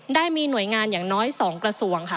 ได้มีหน่วยงานอย่างน้อย๒กระทรวงค่ะ